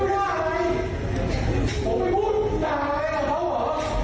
เวลาคุณขวยุ่งอะไรกับผม